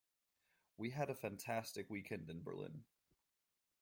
We had a fantastic weekend in Berlin.